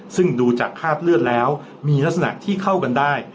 ซึ่งดูจากคราบเลือดแล้วมีลักษณะที่เข้ากันได้